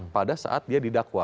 pada saat dia didakwa